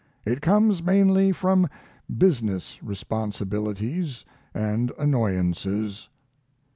It comes mainly from business responsibilities and annoyances.